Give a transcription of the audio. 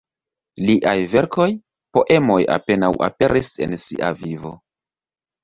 Liaj verkoj, poemoj apenaŭ aperis en sia vivo.